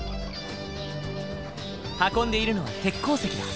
運んでいるのは鉄鉱石だ。